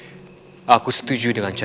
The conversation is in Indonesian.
ketika kita berada di tempat yang tergelap